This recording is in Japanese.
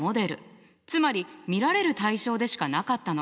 つまり見られる対象でしかなかったの。